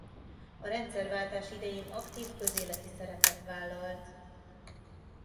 A rendszerváltás idején aktív közéleti szerepet vállalt.